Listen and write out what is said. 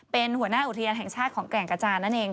เป็นหัวหน้าอุทยานแห่งชาติของแก่งกระจานนั่นเอง